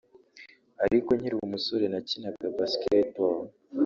ariko nkiri umusore nakinaga Basketball